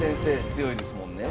強いですもんね。